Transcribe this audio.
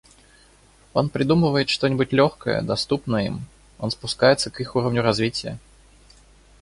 Он придумывает что-нибудь легкое, доступное им, он спускается к их уровню развития.